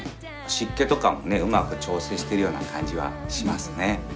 湿気とかもねうまく調整してるような感じはしますね。